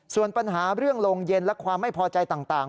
ส่วนปัญหาเรื่องโรงเย็นและความไม่พอใจต่าง